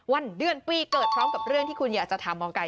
วันเดือนปีเกิดพร้อมกับเรื่องที่คุณอยากจะถามหมอไก่